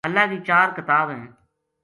اللہ کی چار کتاب ہیں۔